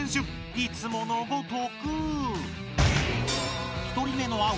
いつものごとく。